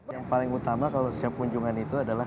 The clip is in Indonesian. yang paling utama kalau setiap kunjungan itu adalah